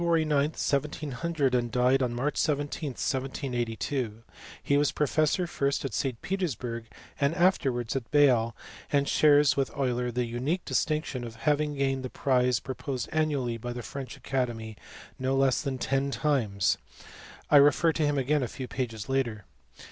9, 1700, and died on March 17, 1782 ; he was professor first at St Petersburg and afterwards at Bale, and shares with Euler the unique distinction of having gained the prize proposed annually by the French Academy no less than ten times : I refer to him again a few pages later.